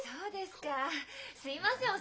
すみません